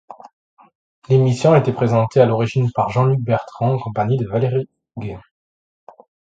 L'émission était présentée à l'origine par Jean-Luc Bertrand en compagnie de Valérie Géhin.